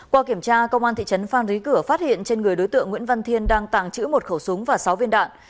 qua kiểm tra công an thị trấn phan rí cửa phát hiện trên người đối tượng nguyễn văn thiên đang tàng trữ một khẩu súng và sáu viên đạn